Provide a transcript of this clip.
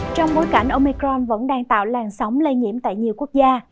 trong bối cảnh omicron vẫn đang tạo làn sóng lây nhiễm tại nhiều quốc gia